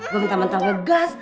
gue bentar bentar ngegas